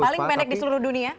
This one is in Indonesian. paling pendek di seluruh dunia